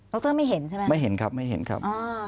รไม่เห็นใช่ไหมไม่เห็นครับไม่เห็นครับ